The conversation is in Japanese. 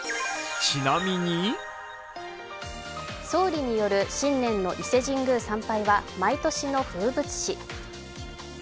総理による新年の伊勢神宮参拝は毎年の風物詩。